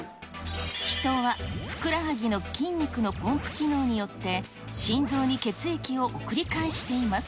ヒトはふくらはぎの筋肉のポンプ機能によって心臓に血液を送り返しています。